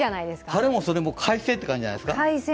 晴れもそれも快晴って感じじゃないですか。